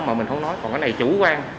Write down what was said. mà mình không nói còn cái này chủ quan